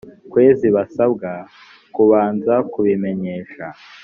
kwezi basabwa kubanza kubimenyesha